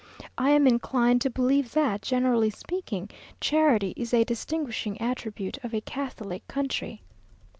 I am inclined to believe that, generally speaking, charity is a distinguishing attribute of a Catholic country.